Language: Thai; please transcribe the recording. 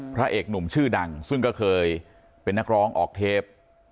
พระเอกหนุ่มชื่อดังซึ่งก็เคยเป็นนักร้องออกเทป